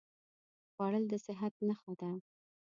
خوړل د صحت نښه ده